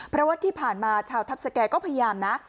เพราะว่าที่ผ่านมาชาวทัพสแก่ก็พยายามนะ